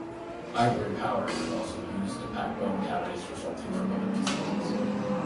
Ivory powder was also used to pack bone cavities resulting from other diseases.